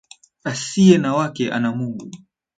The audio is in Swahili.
Asiye na wake ana Mungu